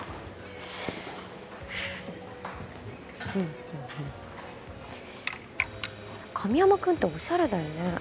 うん神山くんってオシャレだよね